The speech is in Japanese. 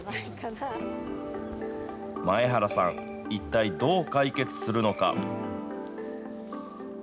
前原さん、一体どう解決するのか。